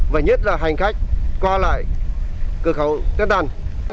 và hành khách qua lại cửa khẩu tết đàn